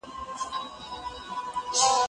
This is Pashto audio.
زه پرون د کتابتون پاکوالی وکړ!؟